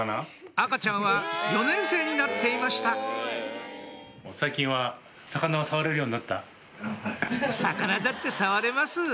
赤ちゃんは４年生になっていました魚だって触れます